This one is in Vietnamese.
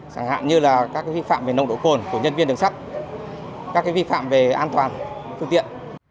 chẳng hạn như là các vi phạm về nồng độ cồn của nhân viên đường sắt các vi phạm về an toàn phương tiện